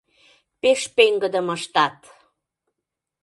Пеш пеҥгыдым ыштат!